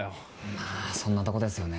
まぁそんなとこですよね。